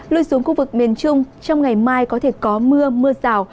lui xuống khu vực miền trung trong ngày mai có thể có mưa mưa rào